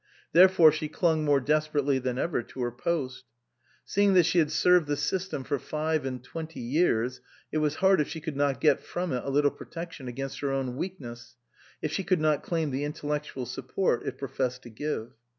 Therefore she clung more desperately than ever to her post. Seeing that she had served the system for five and twenty years, it was hard if she could not get from it a little protection against her own weakness, if she could not claim the intellectual support it professed to give.